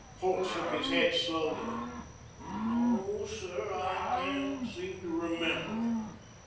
Holt shook his head slowly. "No, sir. I can't seem to remember it.